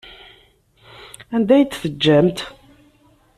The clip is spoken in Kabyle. Anda ay t-teǧǧamt?